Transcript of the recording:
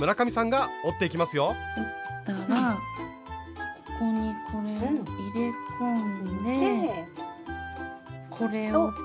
折ったらここにこれを入れ込んでこれを倒して。